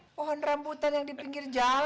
pohon rambutan yang di pinggir jalan